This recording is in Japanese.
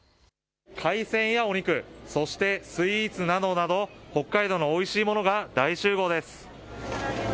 海鮮やお肉そしてスイーツなどなど北海道のおいしいものが大集合です。